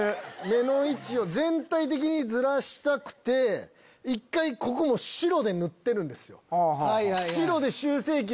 目の位置を全体的にずらしたくて一回ここも白で塗ってるんです。